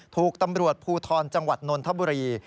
ถูกตำรวจภูทรจังหวัดนนทบุรี